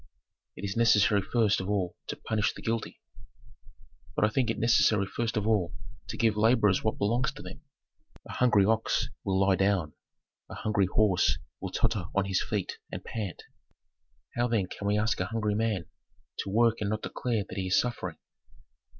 "It is necessary first of all to punish the guilty." "But I think it necessary first of all to give laborers what belongs to them. A hungry ox will lie down; a hungry horse will totter on his feet and pant. How, then, can we ask a hungry man to work and not declare that he is suffering?"